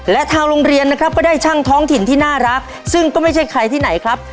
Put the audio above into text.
และทางโรงเรียนนะครับก็ได้ช่างท้องถิ่นที่น่ารักซึ่งก็ไม่ใช่ใครที่ไหนครับ